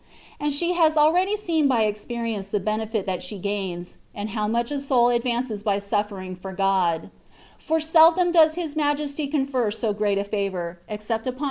She has also seen by experience the benefit that she gains, and how much a soul ad vances by suffering from God : for seldom does His Majesty confer so great a favour, except upon THE WAY OP PERFECTION.